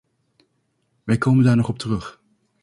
Wij komen daar nog op terug.